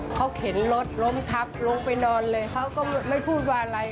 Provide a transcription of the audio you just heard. เขาเข็นรถล้มทับลงไปนอนเลยเขาก็ไม่พูดว่าอะไร